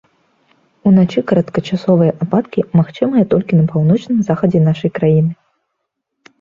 Уначы кароткачасовыя ападкі магчымыя толькі на паўночным захадзе нашай краіны.